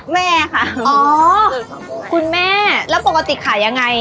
แม่ค่ะสูตรของผมค่ะอ๋อคุณแม่แล้วปกติขายังไง